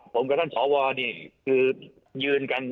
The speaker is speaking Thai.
ผมกับท่านสอวรนี่คือ